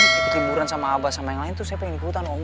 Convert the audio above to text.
ikut hiburan sama abah sama yang lain tuh saya pengen ikutan om